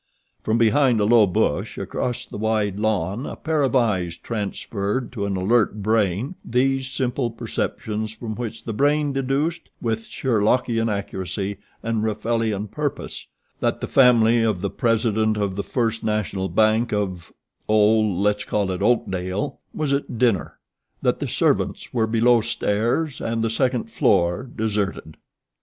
From behind a low bush across the wide lawn a pair of eyes transferred to an alert brain these simple perceptions from which the brain deduced with Sherlockian accuracy and Raffleian purpose that the family of the president of The First National Bank of Oh, let's call it Oakdale was at dinner, that the servants were below stairs and the second floor deserted.